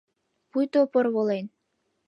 Пуйто порволен.